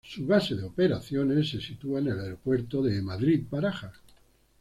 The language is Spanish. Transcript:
Su base de operaciones se sitúa en el Aeropuerto de Madrid-Barajas.